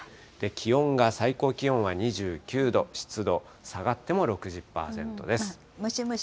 気温が最高気温は２９度、湿度、下がっても６０％です。